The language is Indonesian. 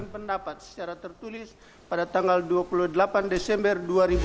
pendapat secara tertulis pada tanggal dua puluh delapan desember dua ribu dua puluh